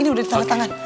ini udah di sama tangan